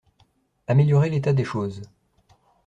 Améliorer l’état des choses.